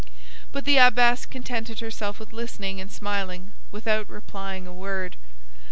But the abbess contented herself with listening and smiling without replying a word.